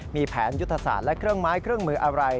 มีแผนยุทธศาสตร์และเครื่องไม้เครื่องมืออะไร